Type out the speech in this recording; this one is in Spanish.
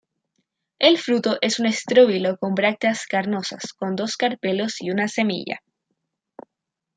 El fruto es un estróbilo con brácteas carnosas con dos carpelos y una semilla.